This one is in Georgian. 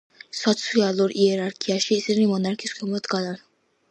სოციალურ იერარქიაში ისინი მონარქის ქვემოთ დგანან.